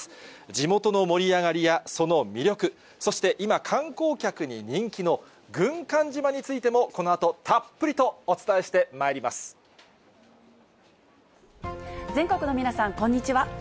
地元の盛り上がりやその魅力、そして今、観光客に人気の軍艦島についても、このあと、たっぷりとお伝えして全国の皆さん、こんにちは。